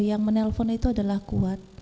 yang menelpon itu adalah kuat